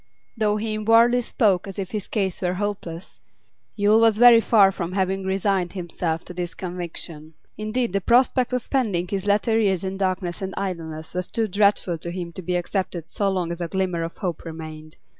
Though he inwardly spoke as if his case were hopeless, Yule was very far from having resigned himself to this conviction; indeed, the prospect of spending his latter years in darkness and idleness was too dreadful to him to be accepted so long as a glimmer of hope remained.